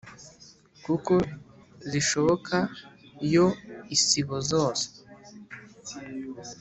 Kuko zishoboka yo isibo zose